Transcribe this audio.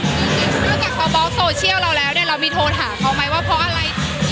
จริงนอกจากเขาบล็อกโซเชียลเราแล้วเนี่ยเรามีโทรหาเขาไหมว่าเพราะอะไร